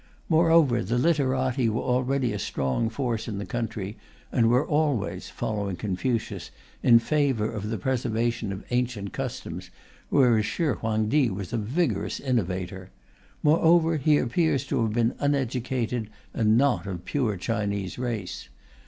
Moreover the literati were already a strong force in the country, and were always (following Confucius) in favour of the preservation of ancient customs, whereas Shih Huang Ti was a vigorous innovator. Moreover, he appears to have been uneducated and not of pure Chinese race.